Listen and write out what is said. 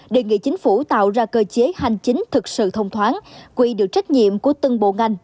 đề nghị chính phủ tạo ra cơ chế hành chính thực sự thông thoáng quy được trách nhiệm của từng bộ ngành